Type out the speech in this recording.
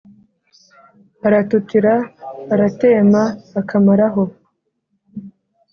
aratutira: aratema akamaraho